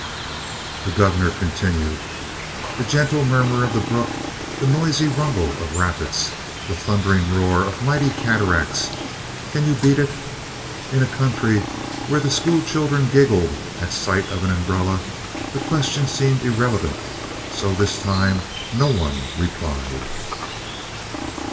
The Gov'nor continued: "The gentle murmur of the brook, the noisy rumble of rapids, the thundering roar of mighty cataracts can you beat it?" In a country where the school children giggled at sight of an umbrella, the question seemed irrelevant, so this time no one replied.